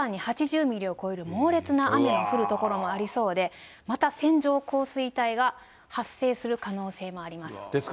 局地的には１時間に８０ミリを超える猛烈な雨の降る所もありそうで、また線状降水帯が発生する可能性もあります。